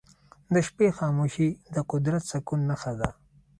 د شپې خاموشي د قدرت د سکون نښه ده.